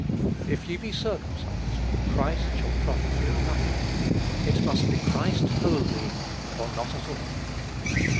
"If ye be circumcised Christ shall profit you nothing." It must be Christ wholly, or not at all.